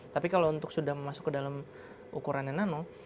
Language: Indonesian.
tapi kalau untuk sudah masuk ke dalam ukurannya nano